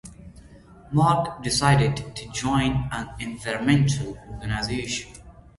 Mark decided to join an environmental organization.